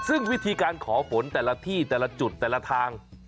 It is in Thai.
ซึ่งวิธีการขอฝนแต่ละที่แต่ละจุดแต่ละทาง